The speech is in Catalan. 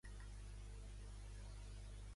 Com descriu l'alcaldessa de la ciutat l'artista?